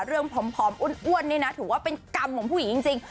ผอมอ้วนนี่นะถือว่าเป็นกรรมของผู้หญิงจริง